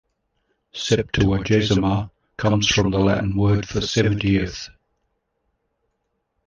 "Septuagesima" comes from the Latin word for "seventieth.